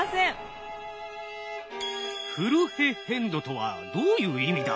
フルヘッヘンドとはどういう意味だ。